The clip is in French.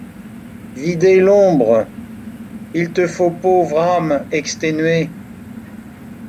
Vider l’ombre ! Il te faut, pauvre âme exténuée